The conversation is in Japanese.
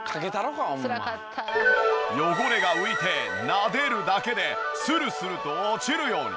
汚れが浮いてなでるだけでスルスルと落ちるように。